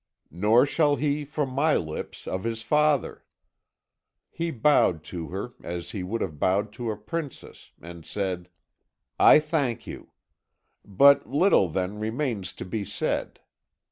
"'Nor shall he, from my lips, of his father.' "He bowed to her as he would have bowed to a princess, and said: "'I thank you. But little, then, remains to be said.